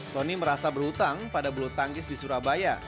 sony merasa berhutang pada bulu tangkis di surabaya